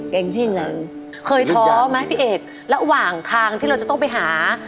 เก่งที่ไหนเคยท้อไหมพี่เอกระหว่างทางที่เราจะต้องไปหา